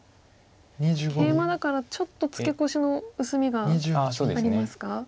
ケイマだからちょっとツケコシの薄みがありますか。